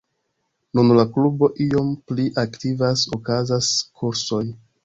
Nun la klubo iom pli aktivas, okazas kursoj.